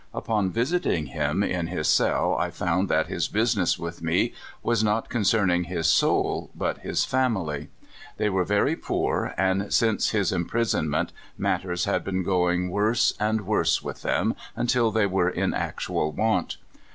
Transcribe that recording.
Upon visiting him in his cell, I found that his business with me was not concerning his soul, but his famil3^ They were very poor, and since his imprisonment matters had been going worse and worse with them, until they were in actual want.